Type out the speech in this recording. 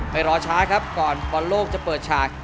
รอช้าครับก่อนบอลโลกจะเปิดฉาก